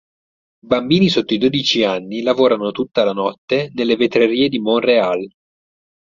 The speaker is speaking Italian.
Bambini sotto i dodici anni lavorano tutta la notte nelle vetrerie di Montréal.